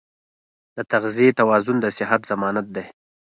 د تغذیې توازن د صحت ضمانت دی.